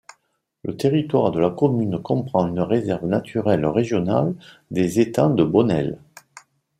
Le territoire de la commune comprend une réserve naturelle régionale des Étangs de Bonnelles.